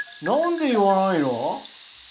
なんで言わないの？